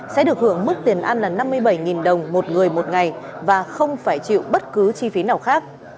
sẽ được hưởng mức tiền ăn là năm mươi bảy đồng một người một ngày và không phải chịu bất cứ chi phí nào khác